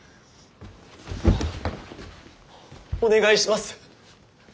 お願いします！